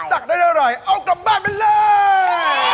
ตักได้อร่อยเอากลับบ้านไปเลย